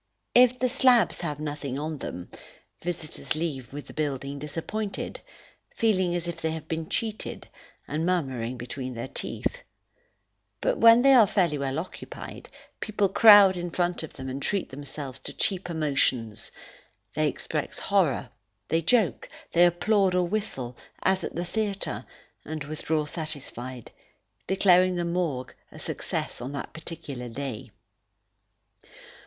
If the slabs have nothing on them, visitors leave the building disappointed, feeling as if they had been cheated, and murmuring between their teeth; but when they are fairly well occupied, people crowd in front of them and treat themselves to cheap emotions; they express horror, they joke, they applaud or whistle, as at the theatre, and withdraw satisfied, declaring the Morgue a success on that particular day.